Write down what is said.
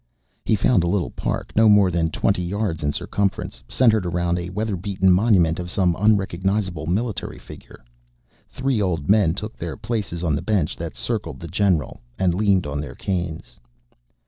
He found a little park, no more than twenty yards in circumference, centered around a weatherbeaten monument of some unrecognizable military figure. Three old men took their places on the bench that circled the General, and leaned on their canes.